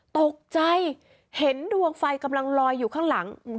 ตกใจเห็นดวงไฟกำลังลอยอยู่ข้างหลัง